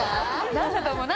何だと思う？